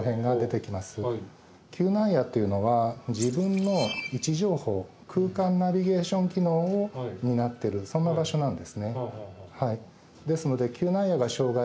嗅内野というのは自分の位置情報空間ナビゲーション機能を担っているそんな場所なんですね。